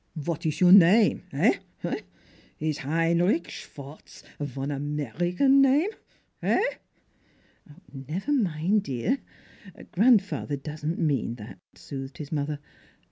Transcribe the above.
" Vot iss your name heh? Is Heinrich Schwartz von American name heh?" " Never mind, dear: grandfather doesn't mean that," soothed his mother.